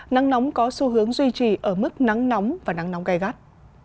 nắng nóng có xu hướng duy trì ở mức nắng nóng và nắng nóng gai gắt